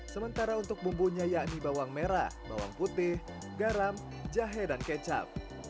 sementara untuk bumbunya yakni bawang merah bawang putih garam jahe dan kecap